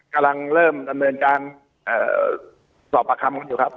กำลังเริ่มดำเนินการสอบปากคำกันอยู่ครับ